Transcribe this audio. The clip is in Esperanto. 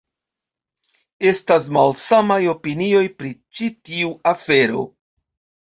Estas malsamaj opinioj pri ĉi tiu afero.